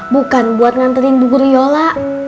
bukan buat nganterin bu griola